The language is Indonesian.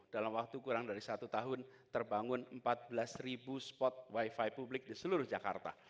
dalam waktu kurang dari satu tahun terbangun empat belas spot wifi publik di seluruh jakarta